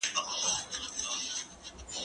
که وخت وي، بوټونه پاکوم؟!